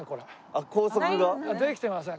あっ高速が？できてません。